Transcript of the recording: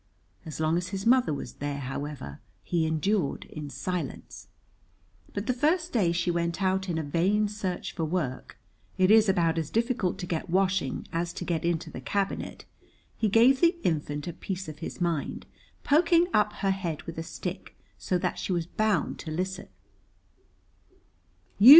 As long as his mother was there, however, he endured in silence, but the first day she went out in a vain search for work (it is about as difficult to get washing as to get into the Cabinet), he gave the infant a piece of his mind, poking up her head with a stick so that she was bound to listen.